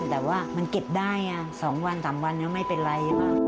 แต่ว่ามันเก็บได้สองวันสามวันนี้ไม่เป็นไร